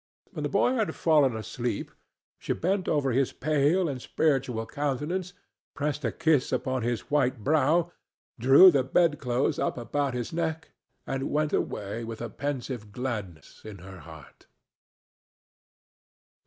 When the boy had fallen asleep, she bent over his pale and spiritual countenance, pressed a kiss upon his white brow, drew the bedclothes up about his neck, and went away with a pensive gladness in her heart.